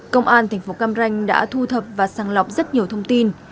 công an thành phố cam ranh đã thu thập và sàng lọc rất nhiều thông tin